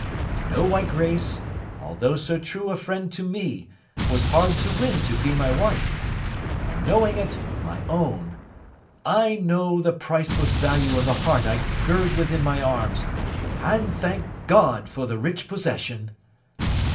I know why Grace, although so true a friend to me, was hard to win to be my wife. And knowing it, my own! I know the priceless value of the heart I gird within my arms, and thank GOD for the rich possession!